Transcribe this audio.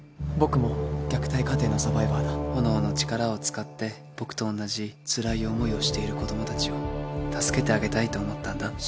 「僕も虐待家庭のサバイバーだ」「炎の力を使って僕と同じつらい思いをしている子供たちを助けてあげたいと思ったんだ」